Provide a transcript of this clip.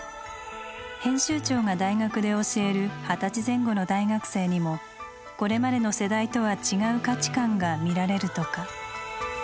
編集長が大学で教える二十歳前後の大学生にもこれまでの世代とは違う価値観が見られるとか。